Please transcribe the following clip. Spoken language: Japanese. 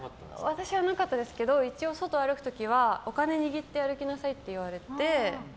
私はなかったですけど一応外歩く時はお金を握って歩きなさいって言われて。